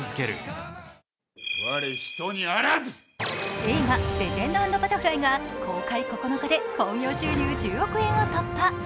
映画「レジェンド＆バタフライ」が公開９日で興行収入１０億円を突破。